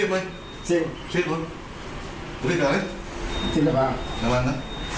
สิบสิบสิบลงสิบอะไรสิบละบาทระวังนะ